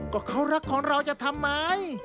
ก็เขารักของเราจะทำไม